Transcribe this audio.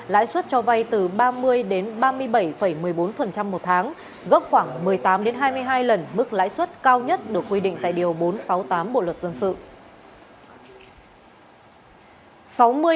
lãi suất cho vay từ ba mươi đến ba mươi bảy một mươi bốn một tháng gấp khoảng một mươi tám hai mươi hai lần mức lãi suất cao nhất được quy định tại điều bốn trăm sáu mươi tám bộ luật dân sự